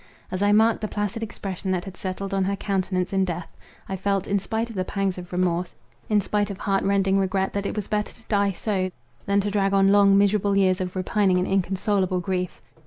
As I marked the placid expression that had settled on her countenance in death, I felt, in spite of the pangs of remorse, in spite of heart rending regret, that it was better to die so, than to drag on long, miserable years of repining and inconsolable grief.